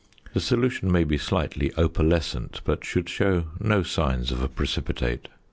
The solution may be slightly opalescent, but should show no signs of a precipitate.